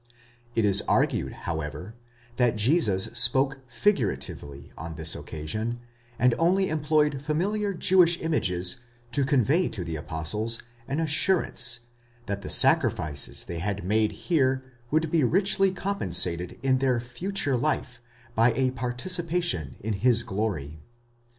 It is argued, however, that Jesus spoke figuratively on this occasion, and only employed familiar Jewish images to convey to the apostles an assur ance, that the sacrifices they had made here would be richly compensated in their future life by a participation in his glory.